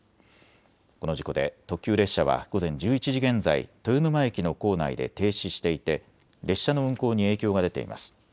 この事故で特急列車は午前１１時現在、豊沼駅の構内で停止していて列車の運行に影響が出ています。